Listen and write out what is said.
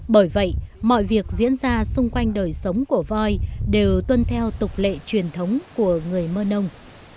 bởi vậy mọi việc diễn ra xung quanh đời sống của voi đều tuân theo tục lệ truyền thống của người mơ nông